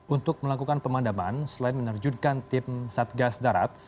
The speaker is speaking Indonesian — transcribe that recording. untuk melakukan pemadaman selain menerjunkan tim satgas darat